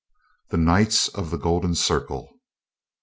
THE KNIGHTS OF THE GOLDEN CIRCLE.